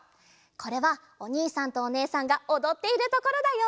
これはおにいさんとおねえさんがおどっているところだよ！